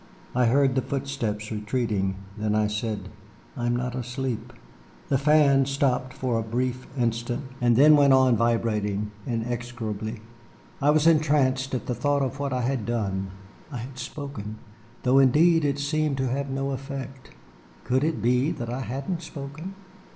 I heard the footsteps retreating. Then I said: "I am not asleep." The fan stopped for a brief instant and then went on vibrating inexorably. I was entranced at the thought of what I had done. I had spoken, though indeed it seemed to have had no effect. Could it be that I hadn't spoken?